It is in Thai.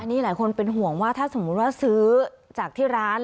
นี่หลายคนเป็นห่วงว่าถ้าสมมุติว่าซื้อจากที่ร้าน